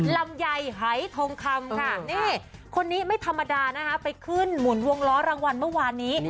ลำไยหายทองคำค่ะนี่คนนี้ไม่ธรรมดานะคะไปขึ้นหมุนวงล้อรางวัลเมื่อวานนี้